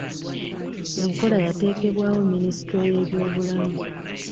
Enkola yateekebwawo minisitule y'ebyobulamu.